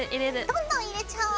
どんどん入れちゃおう。